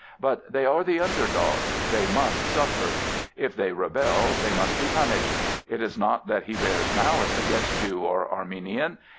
But they are the under dog: they must suffer. If they rebel they must be punished. It is not that he bears mdice against Jew or Armenian.